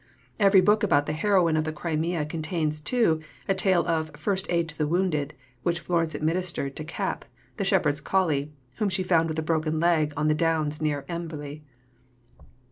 Every book about the heroine of the Crimea contains, too, a tale of "first aid to the wounded" which Florence administered to Cap, the shepherd's collie, whom she found with a broken leg on the downs near Embley.